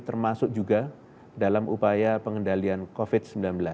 termasuk juga dalam upaya pengendalian covid sembilan belas